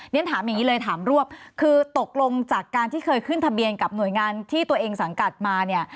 เรียนถามอย่างนี้เลยถามรวบคือตกลงจากการที่เคยขึ้นทะเบียนกับหน่วยงานที่ตัวเองสังกัดมาเนี่ย